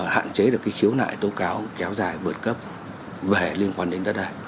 hạn chế được cái khiếu nại tố cáo kéo dài vượt cấp về liên quan đến đất hàng